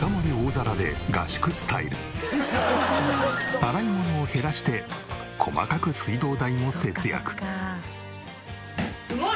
洗い物を減らして細かく水道代も節約。